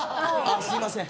あっすいません。